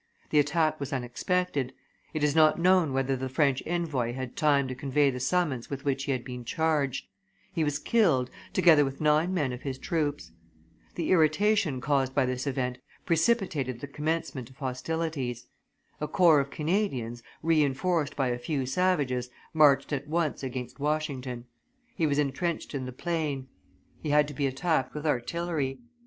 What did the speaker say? The attack was unexpected; it is not known whether the French envoy had time to convey the summons with which he had been charged; he was killed, together with nine men of his troops. The irritation caused by this event precipitated the commencement of hostilities. A corps of Canadians, re enforced by a few savages, marched at once against Washington; he was intrenched in the plain; he had to be attacked with artillery.